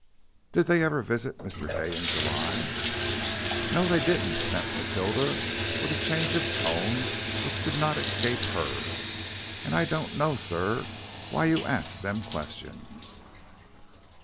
"Did they ever visit Mr. Hay in July?" "No, they didn't," snapped Matilda, with a change of tone which did not escape Hurd; "and I don't know, sir, why you arsk them questions."